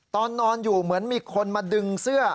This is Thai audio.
ตอนนอนอยู่เหมือนมีคนมาดึงเสื้อ